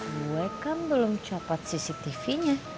gue kan belum copot cctv nya